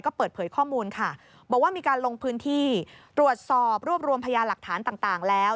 ก็เปิดเผยข้อมูลค่ะบอกว่ามีการลงพื้นที่ตรวจสอบรวบรวมพยาหลักฐานต่างแล้ว